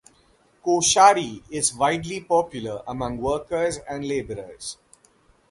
Koshari is widely popular among workers and laborers.